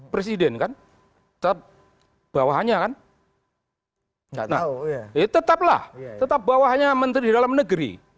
presiden kan tetap bawahnya kan enggak tahu ya tetap lah tetap bawahnya menteri dalam negeri